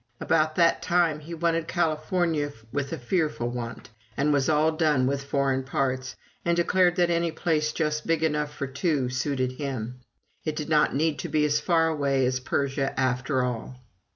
About that time he wanted California with a fearful want, and was all done with foreign parts, and declared that any place just big enough for two suited him it did not need to be as far away as Persia after all.